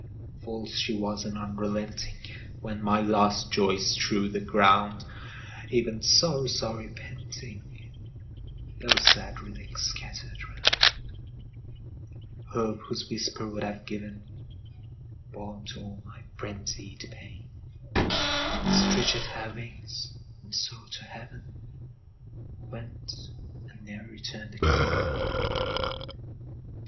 False she was, and unrelenting; When my last joys strewed the ground, Even Sorrow saw, repenting, Those sad relics scattered round; Hope, whose whisper would have givenBalm to all my frenzied pain, Stretched her wings, and soared to heaven, Went, and ne'er returned again!